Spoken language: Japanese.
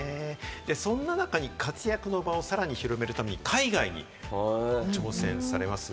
そんな中、活躍の場を広めるために、海外に挑戦されます。